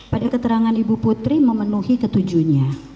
pada keterangan ibu putri memenuhi ketujuhnya